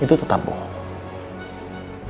itu tetap bohong